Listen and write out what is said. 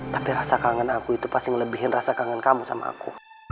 tapi rasa kangen aku itu pasti melebihin rasa kangen kamu sama aku